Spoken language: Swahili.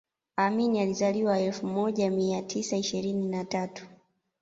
Amin alizaliwa elfu moja mia mia tisa ishirini na tatu